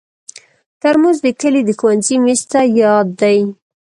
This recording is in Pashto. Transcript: ترموز د کلي د ښوونځي میز ته یاد دی.